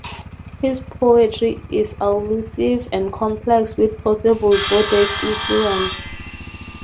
His poetry is allusive and complex, with possible Buddhist influence.